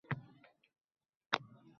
Nega bu janozaga chiqishi kerak?